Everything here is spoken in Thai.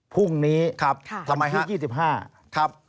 พรุ่งนี้๒๕วันเสาร์ครับทำไมครับครับ